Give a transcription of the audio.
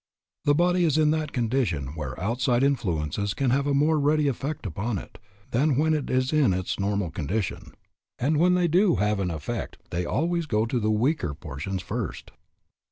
The body is in that condition where outside influences can have a more ready effect upon it, than when it is in its normal condition. And when they do have an effect they always go to the weaker portions first.